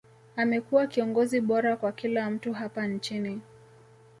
amekuwa kiongozi bora kwa kila mtu hapa nchini